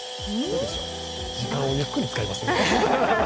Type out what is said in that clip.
時間をゆっくり使いますね。